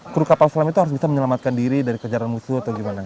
kru kapal selam itu harus bisa menyelamatkan diri dari kejaran musuh atau gimana